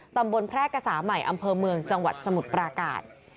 ตำบลแพร่กษาใหม่อำเภอเมืองจังหวัดสมุทรปราการ